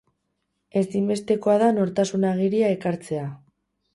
Ezinbestekoa da nortasun agiria ekartzea.